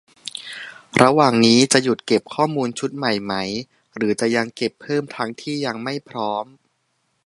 - ระหว่างนี้ จะหยุดเก็บข้อมูลชุดใหม่ไหม หรือจะยังเก็บเพิ่มทั้งที่ยังไม่พร้อม